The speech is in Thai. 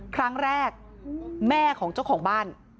ครั้งแรกแม่ของเจ้าของบ้าน